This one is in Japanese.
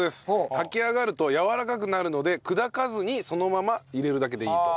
炊き上がると柔らかくなるので砕かずにそのまま入れるだけでいいと。